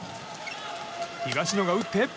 東野が打って。